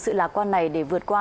sự lạc quan này để vượt qua